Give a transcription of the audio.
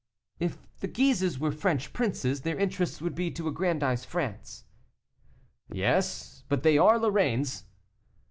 "If the Guises were French princes, their interest would be to aggrandize France." "Yes, but they are Lorraines."